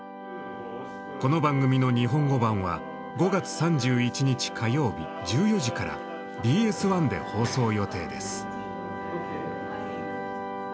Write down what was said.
この番組の日本語版は５月３１日火曜日１４時からＢＳ１で放送予定です。